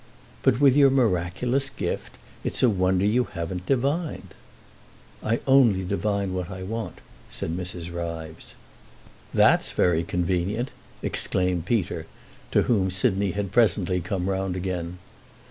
"But with your miraculous gift it's a wonder you haven't divined." "I only divine what I want," said Mrs. Ryves. "That's very convenient!" exclaimed Peter, to whom Sidney had presently come round again.